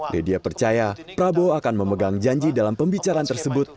dedia percaya prabowo akan memegang janji dalam pembicaraan tersebut